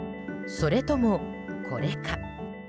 それとも、これか。